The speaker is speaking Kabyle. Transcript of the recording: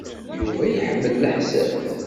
Yuba iḥemmel leḥsab.